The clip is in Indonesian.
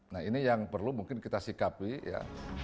nah ini yang perlu mungkin kita sikapi ya